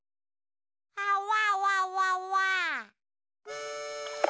あわわわわ。